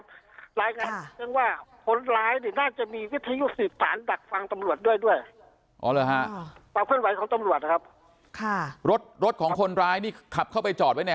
บรรยายงานนึงว่าคนร้ายนี่น่าจะมีวิทยุสิตภารณ์ดักฝังตำรวจด้วยด้วย